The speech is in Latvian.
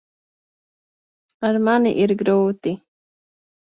Ar mani ir grūti.